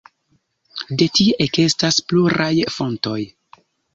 De tie ekestas pluraj fontoj.